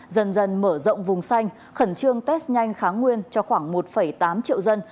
dần dần mở rộng vùng xanh khẩn trương test nhanh kháng nguyên cho khoảng một tám triệu dân